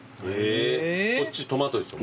こっちトマトですよ。